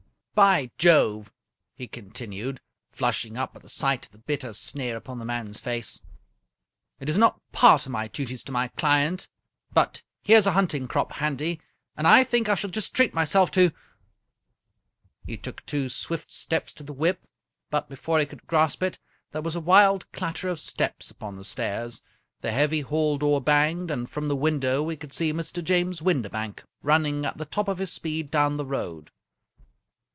By Jove I " he continued, flushing up at the sight of the bitter sneer upon the man's face, "it is not part of my duties to my client, but here's a hunting crop handy, and I think I shall just treat myself to —" He took two swift steps to the whip, but before he could grasp it there was a wild clatter of steps upon the stairs, the heavy hall door banged, and from the win dow we could see Mr. James Windibank running at the top of his speed down the road.